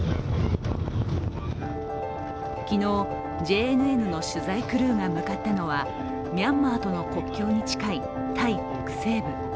昨日、ＪＮＮの取材クルーが向かったのはミャンマーとの国境に近いタイ北西部。